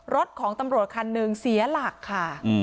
รถของตำรวจคันหนึ่งเสียหลักค่ะ